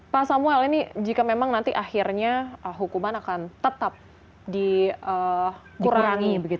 pak samuel ini jika memang nanti akhirnya hukuman akan tetap dikurangi